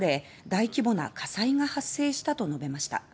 大規模な火災が発生したと述べました。